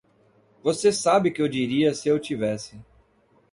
Você sabe que eu diria se eu tivesse.